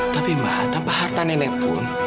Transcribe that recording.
tapi mbak tanpa harta nenek pun